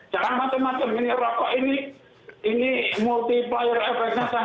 cakang macam macam ini rokok ini ini multiplier efeknya sangat luar biasa